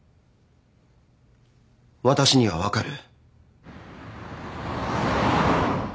私には分かる。